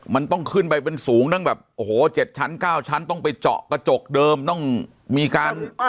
มันต้องขึ้นไปเป็นสูงตั้งแบบโอ้โห๗ชั้น๙ชั้นต้องไปเจาะกระจกเดิมต้องมีการ